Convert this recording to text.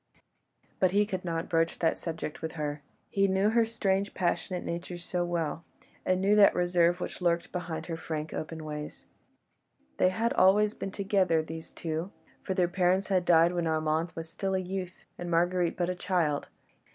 But he could not broach that subject with her. He knew her strange, passionate nature so well, and knew that reserve which lurked behind her frank, open ways. They had always been together, these two, for their parents had died when Armand was still a youth, and Marguerite but a child.